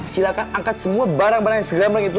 silahkan angkat semua barang barang yang segam gamang itu